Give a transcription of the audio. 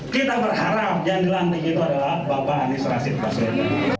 kita berharap yang dilantik itu adalah bapak anies rashid baswedan